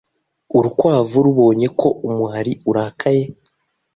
Urukwavu rubonye ko umuhari urakaye